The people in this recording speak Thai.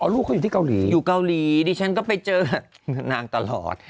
อ๋อลูกเขาอยู่ที่เกาหลีดิฉันก็ไปเจอกับนางตลอด